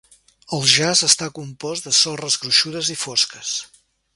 El jaç està compost de sorres gruixudes i fosques.